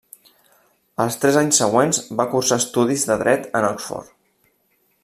Els tres anys següents va cursar estudis de dret en Oxford.